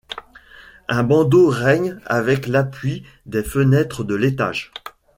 Un bandeau règne avec l'appui des fenêtres de l'étage.